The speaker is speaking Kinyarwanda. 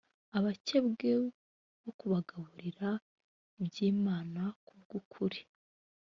abakebwe wo kubagaburira iby imana ku bw ukuri